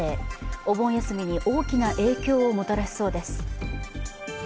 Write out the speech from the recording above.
お盆休みに大きな影響をもたらしそうです。